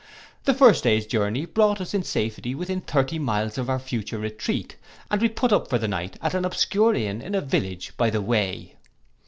The first day's journey brought us in safety within thirty miles of our future retreat, and we put up for the night at an obscure inn in a village by the way.